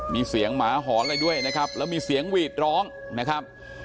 มีเสียงหมาหอนอะไรด้วยนะครับแล้วมีเสียงหวีดร้องนะครับ